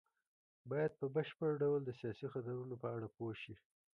بايد په بشپړ ډول د سياسي خطرونو په اړه پوه شي.